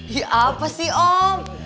si apa sih om